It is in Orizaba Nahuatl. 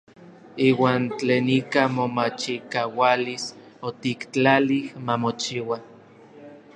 Iuan tlen ika momachikaualis otiktlalij ma mochiua.